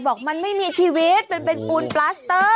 บอกมันไม่มีชีวิตมันเป็นปูนปลาสเตอร์